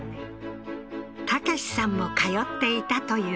武さんも通っていたという冬季分校